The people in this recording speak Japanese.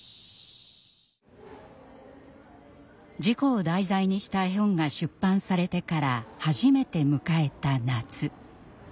事故を題材にした絵本が出版されてから初めて迎えた夏。